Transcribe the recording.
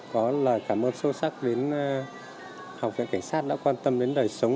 có lời cảm ơn sâu sắc đến học viện cảnh sát đã quan tâm đến đời sống